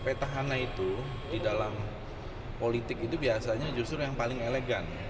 petahana itu di dalam politik itu biasanya justru yang paling elegan